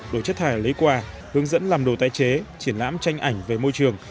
đổi chất thải lấy quà hướng dẫn làm đồ tái chế triển lãm tranh ảnh về môi trường